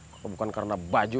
kalau bukan karena baju